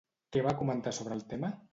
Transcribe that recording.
Què va comentar sobre el tema?